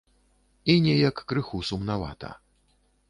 І неяк крыху сумнавата.